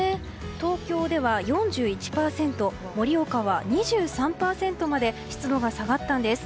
東京では４１％盛岡は２３％まで湿度が下がったんです。